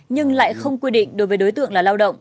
nhưng lại không quy định đối với đối tượng là lao động